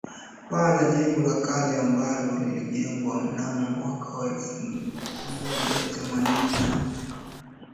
Paa la jengo la kale ambalo lilijengwa mnamo mwaka wa elfu moja themanini na nne